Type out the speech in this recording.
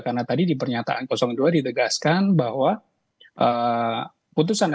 karena tadi di pernyataan dua ditegaskan bahwa putusan